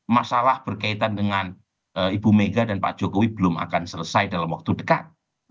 masalah berkaitan dengan ibu mega dan pak jokowi belum akan selesai dalam waktu dekat